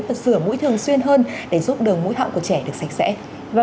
và rửa mũi thường xuyên hơn để giúp đường mũi hậu của trẻ được sạch sẽ